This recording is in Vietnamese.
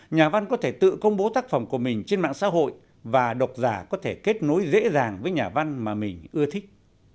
nhà văn có thể tự công bố tác phẩm của mình trên mạng xã hội và độc giả có thể kết nối dễ dàng với nhà văn mà mình ưa thích